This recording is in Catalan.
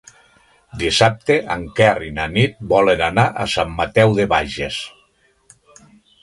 Dissabte en Quer i na Nit volen anar a Sant Mateu de Bages.